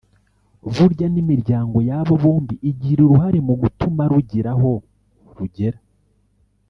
burya n’imiryango yabo bombi igira uruhare mu gutuma rugira aho rugera